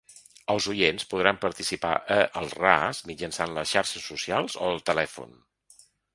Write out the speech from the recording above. Els oients podran participar a ‘Al ras’ mitjançant les xarxes socials o el telèfon.